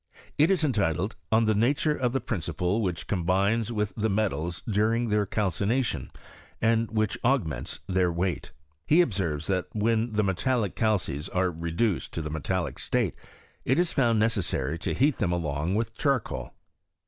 It is entitled, " On the Nature of the Prin I BISTOa? OF CBKHrSTRT. ciple which combines with the Metals during their Calcination, and whit^h augments their Weight." iHe ■ obaervea that when the metallic calces are reduced to the metallic state it is found necessary to heat them along with charcoal.